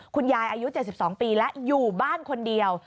อายุ๗๒ปีแล้วอยู่บ้านคนเดียว